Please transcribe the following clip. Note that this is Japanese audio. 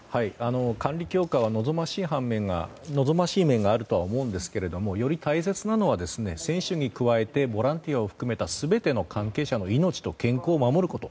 管理強化は望ましい面があるとは思うんですけれどもより大切なのは選手に加えてボランティアを含めた全ての関係者の命と健康を守ること。